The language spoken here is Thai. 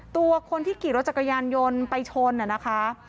ตัวคนที่ขี่รถจักรยานยนต์ไปชนนะคะ